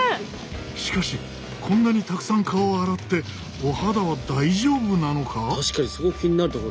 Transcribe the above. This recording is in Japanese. しかしこんなにたくさん顔を洗ってお肌は大丈夫なのか？